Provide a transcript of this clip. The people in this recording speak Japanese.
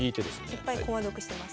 いっぱい駒得してます。